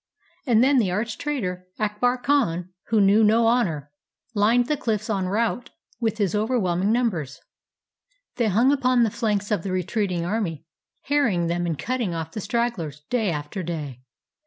And then the arch traitor, Akbar 275 AFGHANISTAN Khan, who knew no honor, lined the cliffs en route with his overwhelming numbers. They hung upon the flanks of the retreating army, harrying them, and cutting off the stragglers day after day.